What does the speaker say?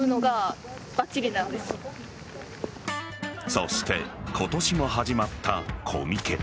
そして今年も始まったコミケ。